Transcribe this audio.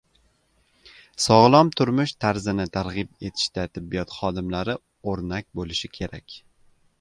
Sog‘lom turmush tarzini targ‘ib etishda tibbiyot xodimlari o‘rnak bo‘lishi kerak